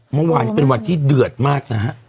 เมื่อวานนี้เป็นวันที่เดือดมากนะฮะ